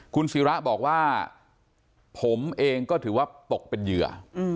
คุณศิระบอกว่าผมเองก็ถือว่าตกเป็นเหยื่อ